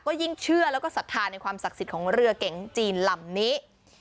ก็ยิ่งเชื่อแล้วก็ศรัทธาในความศักดิ์สิทธิ์ของเรือเก๋งจีนลำนี้